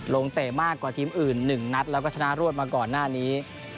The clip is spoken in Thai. เตะมากกว่าทีมอื่น๑นัดแล้วก็ชนะรวดมาก่อนหน้านี้